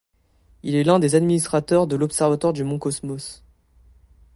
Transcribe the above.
Il est l'un des administrateurs de l'Observatoire du Mont Cosmos.